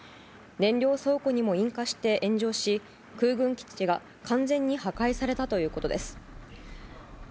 燃料倉庫にも引火して炎上し空軍基地が完全に破壊されたということです。